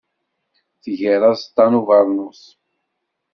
Tger aẓeṭṭa n ubeṛnus.